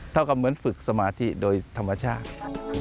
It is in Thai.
เท่ากับเหมือนฝึกสมาธิโดยธรรมชาติ